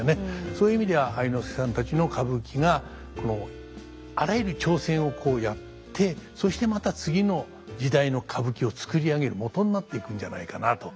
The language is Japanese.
そういう意味では愛之助さんたちの歌舞伎がこのあらゆる挑戦をやってそしてまた次の時代の歌舞伎を作り上げるもとになっていくんじゃないかなと。